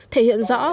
thể hiện rõ hoạt động